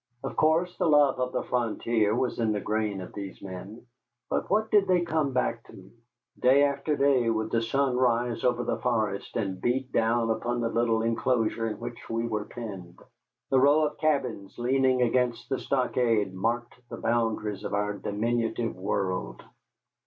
Of course, the love of the frontier was in the grain of these men. But what did they come back to? Day after day would the sun rise over the forest and beat down upon the little enclosure in which we were penned. The row of cabins leaning against the stockade marked the boundaries of our diminutive world.